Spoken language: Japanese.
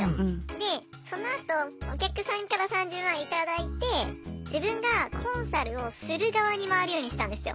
でそのあとお客さんから３０万頂いて自分がコンサルをする側に回るようにしたんですよ。